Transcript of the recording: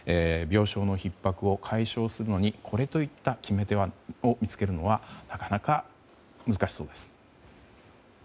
病床のひっ迫を解消するのにこれといった決め手を見つけるのはなかなか難しそうです。